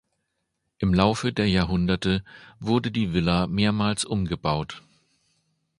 Im Laufe der Jahrhunderte wurde die Villa mehrmals umgebaut.